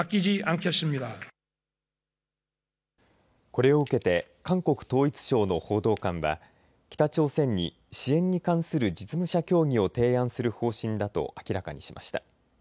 これを受けて韓国統一省の報道官は北朝鮮に支援に関する実務者協議を提案する方針だと明らかにしました。